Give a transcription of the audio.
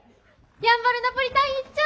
やんばるナポリタン１丁！